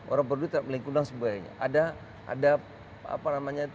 orang peduli terhadap melingkung undang sebagainya